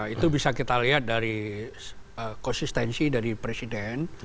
itu bisa kita lihat dari konsistensi dari presiden